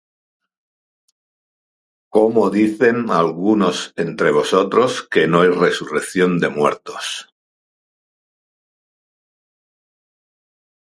¿cómo dicen algunos entre vosotros que no hay resurrección de muertos?